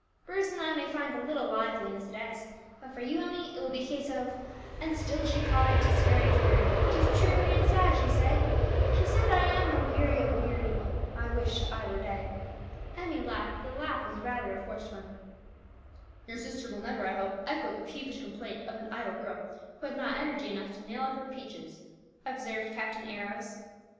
"Bruce and I may find a little liveliness at S ; but for you, Emmie, it will be a case of 'And still she cried, "'Tis very dreary 'Tis dreary and sad," she said; She said, "I am aweary, aweary; I wish I were dead!"'" Emmie laughed, but the laugh was rather a forced one. "Your sister will never, I hope, echo the peevish complaint of an idle girl, who had not energy enough to nail up her peaches," observed Captain Arrows.